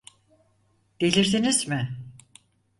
Delirdiniz mi?